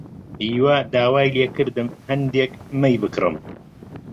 هیوا داوای لێ کردم هەندێک مەی بکڕم.